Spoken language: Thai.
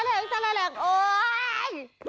สรรค์สรรค์ตะละละโอ้ย